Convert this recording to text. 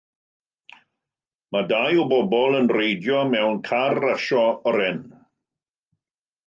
Mae dau o bobl yn reidio mewn car rasio oren.